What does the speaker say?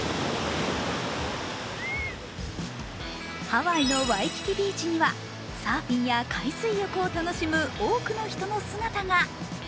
ハワイのワイキキビーチにはサーフィンや海水浴を楽しむ多くの人の姿が。